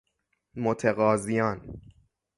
متقاضیان